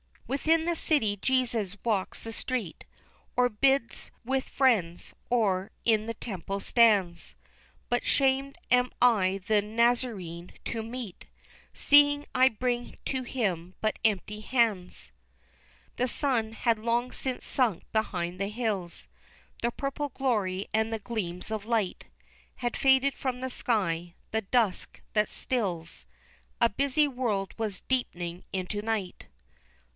Within the city Jesus walks the street, Or bides with friends, or in the temple stands, But shamed am I the Nazarene to meet, Seeing I bring to Him but empty hands. The sun had long since sunk behind the hills The purple glory and the gleams of light Had faded from the sky, the dusk that stills A busy world was deep'ning into night.